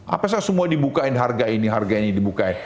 apa semua dibuka harga ini harga ini dibuka